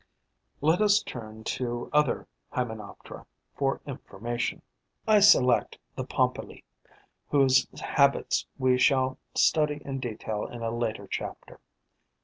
Let us turn to other Hymenoptera for information. I select the Pompili, whose habits we shall study in detail in a later chapter.